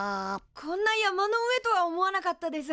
こんな山の上とは思わなかったです。